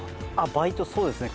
バイトそうですね